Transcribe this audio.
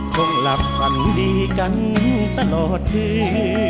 คงหลับฝันดีกันตลอดที่